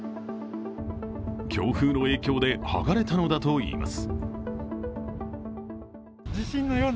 強風の影響ではがれたのだといいます。